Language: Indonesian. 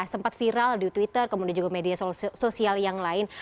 sempat viral di twitter kemudian juga media sosial yang lain